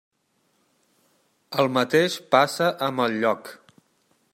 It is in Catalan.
El mateix passa amb el lloc.